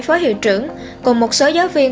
với hiệu trưởng cùng một số giáo viên